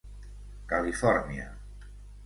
Califòrnia.